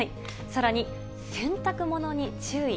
さらに洗濯物に注意。